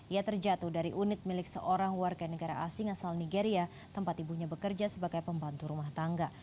ia terjatuh dari unit milik seorang warga negara asing asal nigeria tempat ibunya bekerja sebagai pembantu rumah tangga